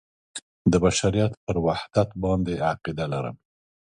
د بشریت پر وحدت باندې عقیده لرم.